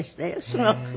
すごく。